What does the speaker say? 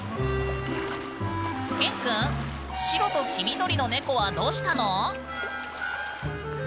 ＫＥＮくん白と黄緑の猫はどうしたの？